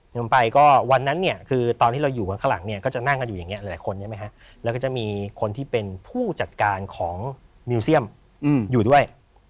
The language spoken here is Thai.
ลงไปก็วันนั้นเนี่ยคือตอนที่เราอยู่ข้างหลังเนี่ยก็จะนั่งกันอยู่อย่างนี้หลายคนใช่ไหมฮะแล้วก็จะมีคนที่เป็นผู้จัดการของมิวเซียมอยู่ด้วย